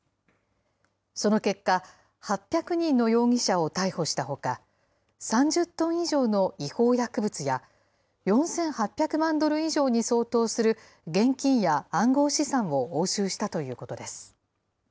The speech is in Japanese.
その結果、８００人の容疑者を逮捕したほか、３０トン以上の違法薬物や、４８００万ドル以上に相当する現金や暗号資産を押収したということです。